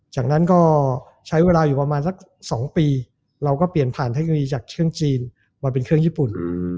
จากนั้นก็ใช้เวลาอยู่ประมาณสัก๒ปีเราก็เปลี่ยนผ่านเทคโนโลยีจากเครื่องจีนมาเป็นเครื่องญี่ปุ่น